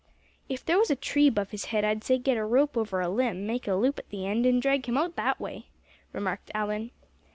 "If there was a tree above his head I'd say get a rope over a limb, make a loop at the end, and drag him out that way," remarked Allan.